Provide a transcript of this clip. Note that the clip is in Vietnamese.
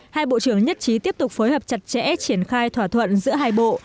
hai bộ trưởng nhất trí tiếp tục phối hợp chặt chẽ triển khai thỏa thuận giữa hai bộ